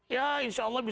ya insya allah bisa